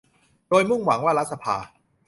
โดยมุ่งหวังว่ารัฐสภา